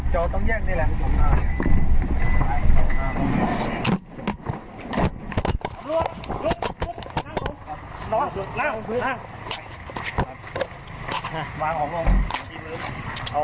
โจ๊กต้องแยกได้รังขุม